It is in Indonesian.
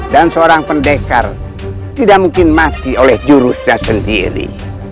dan seorang pendekar tidak mungkin mati oleh jurusnya sendiri